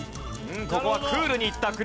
ここはクールにいった。